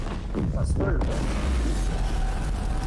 Постой, Вронский, выпьем.